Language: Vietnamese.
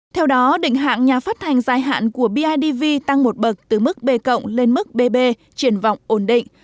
theo đó định hạng nhà phát hành dài hạn của bidv tăng một bậc từ mức b cộng lên mức bb triển vọng ổn định